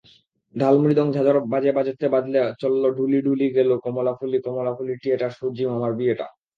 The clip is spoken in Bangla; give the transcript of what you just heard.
ঢাল মৃদং ঝাঁঝর বাজেবাজতে বাজতে চলল ঢুলি, ঢুলি গেল কমলাফুলিকমলাফুলির টিয়েটা, সূর্যিমামার বিয়েটা।